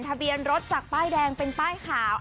ทะเบียนรถจากป้ายแดงเป็นป้ายขาว